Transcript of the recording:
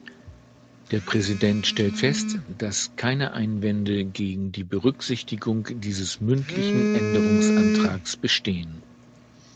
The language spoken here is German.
Der Präsident stellt fest, dass keine Einwände gegen die Berücksichtigung dieses mündlichen Änderungsantrags bestehen.